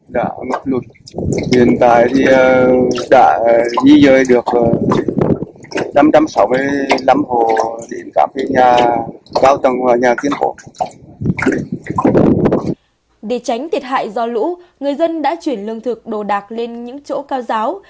để tránh thiệt hại do lũ người dân đã chuyển lương thực đồ đạc lên những chỗ cao giáo